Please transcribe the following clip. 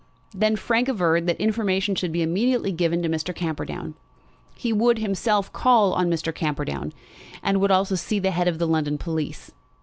Then Frank averred that information should be immediately given to Mr. Camperdown. He would himself call on Mr. Camperdown, and would also see the head of the London police.